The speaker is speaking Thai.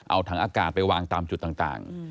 เอาถังอากาศไปวางตามจุดต่าง